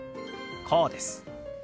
こうです。